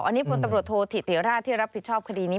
อันนี้พลตำรวจโทษธิติราชที่รับผิดชอบคดีนี้